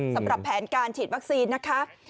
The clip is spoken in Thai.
สำหรับแผนการฉีดวัคซีนนะคะ